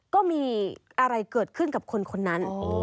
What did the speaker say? ก็มีอะไรเกิดขึ้นกับคนนั้น